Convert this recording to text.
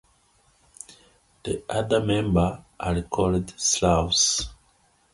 The other members are called "slaves".